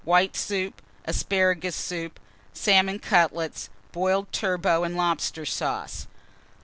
White Soup. Asparagus Soup. Salmon Cutlets. Boiled Turbot and Lobster Sauce.